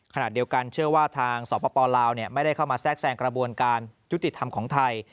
ขณะเดียวกันเชื่อว่าทางสปลาวไม่ได้เข้ามาแทรกแทรงกระบวนการยุติธรรมของไทย